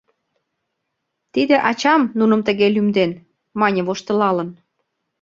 — Тиде ачам нуным тыге лӱмден, — мане воштылалын.